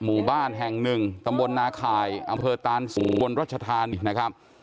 หมู่บ้านแห่งหนึ่งตำบลนาข่ายอำเภอตานสูงบนรัชธานีนะครับ